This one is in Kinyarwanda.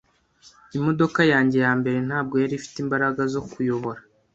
Imodoka yanjye yambere ntabwo yari ifite imbaraga zo kuyobora.